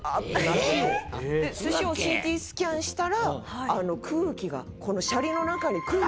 寿司をＣＴスキャンしたら空気が。